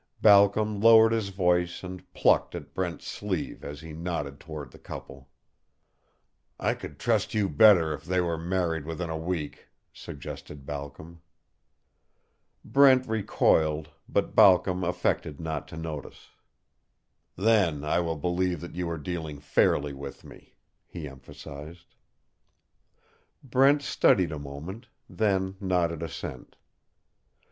Balcom lowered his voice and plucked at Brent's sleeve as he nodded toward the couple. "I could trust you better if they were married within a week," suggested Balcom. Brent recoiled, but Balcom affected not to notice. "Then I will believe that you are dealing fairly with me," he emphasized. Brent studied a moment, then nodded assent.